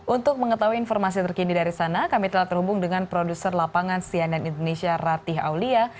untuk mengetahui informasi terkini dari sana kami telah terhubung dengan produser lapangan cnn indonesia ratih aulia